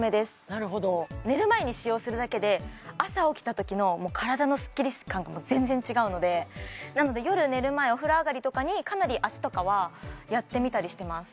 なるほど寝る前に使用するだけで朝起きたときの体のスッキリ感が全然違うのでなので夜寝る前お風呂上がりとかにかなり脚とかはやってみたりしてます